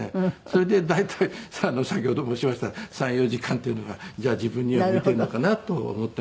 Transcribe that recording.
それで大体先ほど申しました３４時間っていうのがじゃあ自分には向いているのかなと思っています。